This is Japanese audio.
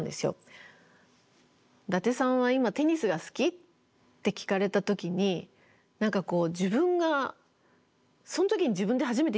「伊達さんは今テニスが好き？」って聞かれた時に何かこう自分がその時に自分で初めて気付いたんですよね。